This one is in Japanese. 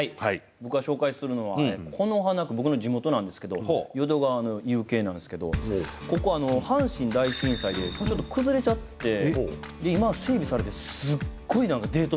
僕が紹介するのは淀川の夕景なんですけどここ阪神大震災でちょっと崩れちゃって今整備されてすっごい何かデート